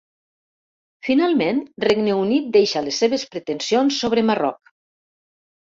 Finalment Regne Unit deixa les seves pretensions sobre Marroc.